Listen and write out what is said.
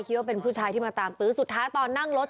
คิดว่าเป็นผู้ชายที่มาตามตื้อสุดท้ายตอนนั่งรถ